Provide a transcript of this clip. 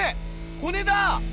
骨だ！